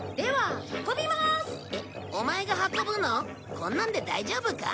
こんなんで大丈夫か？